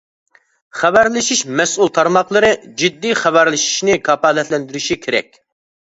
خەۋەرلىشىش مەسئۇل تارماقلىرى جىددىي خەۋەرلىشىشنى كاپالەتلەندۈرۈشى كېرەك.